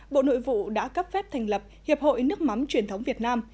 bộ nội vụ đã cấp phép thành lập hiệp hội nước mắm truyền thống việt nam